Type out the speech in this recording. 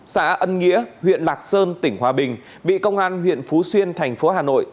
xã ân nghĩa huyện lạc sơn tỉnh hòa bình bị công an huyện phú xuyên tp hà nội